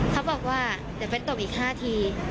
เขาบอกว่าเดี๋ยวไปตบอีก๕ที